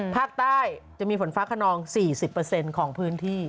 ภาคใต้จะมีฝนฟ้าขนอง๔๐ของพื้นที่